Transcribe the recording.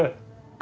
あ！